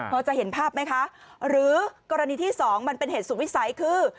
พอจะเห็นภาพไหมคะหรือกรณีที่สองมันเป็นเหตุสุดวิสัยคือ